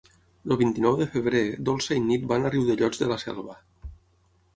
El vint-i-nou de febrer na Dolça i na Nit van a Riudellots de la Selva.